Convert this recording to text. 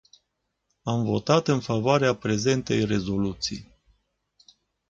Am votat în favoarea prezentei rezoluții.